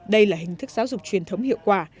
đây là hình thức giáo dục truyền thống hiệu quả